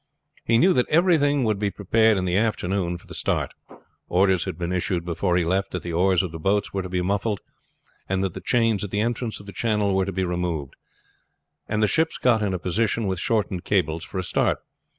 He knew that everything would be prepared in the afternoon for the start. Orders had been issued before he left that the oars of the boats were to be muffled, that the chains at the entrance of the channel were to be removed, and the ships got in a position, with shortened cables, for a start.